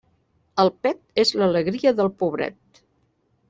El pet és l'alegria del pobret.